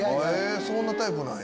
そんなタイプなんや。